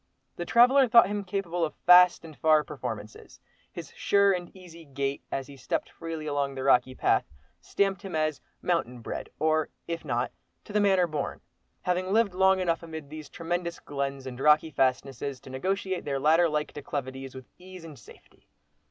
The traveller thought him capable of fast and far performances. His sure and easy gait, as he stepped freely along the rocky path, stamped him as "mountain bred," or, if not "to the manner born," having lived long enough amid these tremendous glens and rocky fastnesses, to negotiate their ladder like declivities with ease and safety.